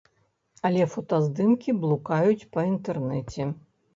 Але фотаздымкі блукаюць па інтэрнэце.